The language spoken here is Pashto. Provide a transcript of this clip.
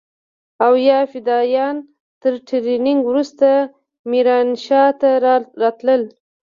او يا فدايان تر ټرېننگ وروسته ميرانشاه ته راتلل.